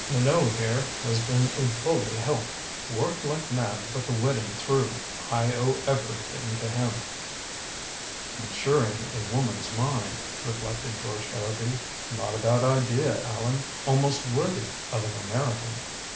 "Minot here has been a bully help worked like mad to put the wedding through. I owe everything to him." "Insuring a woman's mind," reflected George Harrowby. "Not a bad idea, Allan. Almost worthy of an American.